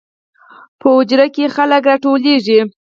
په حجرو کې خلک راټولیږي.